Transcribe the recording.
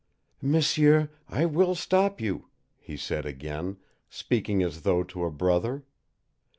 "M'sieur, I will stop you," he said again, speaking as though to a brother.